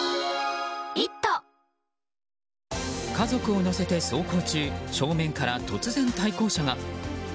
家族を乗せて走行中正面から突然、対向車が。